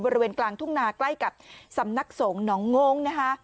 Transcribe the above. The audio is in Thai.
บริเวณกลางทุ่งนาใกล้กับสำนักสงฆ์หนองงนะคะ